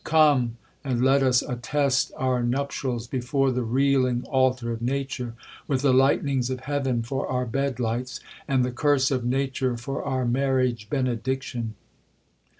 Come, and let us attest our nuptials before the reeling altar of nature, with the lightnings of heaven for our bed lights, and the curse of nature for our marriage benediction!'